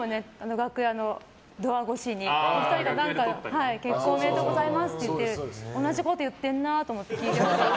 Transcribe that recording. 楽屋のドア越しに、お二人が結婚おめでとうございますって言っているの同じことを言ってるなと思って聞いていますけど。